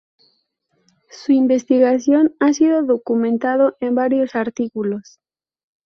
Su investigación ha sido documentado en varios artículos.